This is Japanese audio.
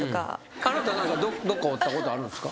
あなたどっか折ったことあるんすか？